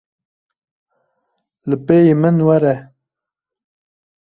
Li pêyî min were.